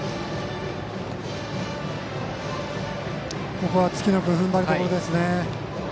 ここは月野君の踏ん張りどころです。